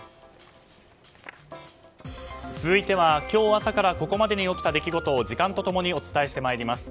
続いては今日朝からここまでに起きた出来事を時間と共にお伝えしてまいります。